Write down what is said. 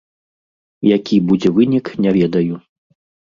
Які будзе вынік, не ведаю.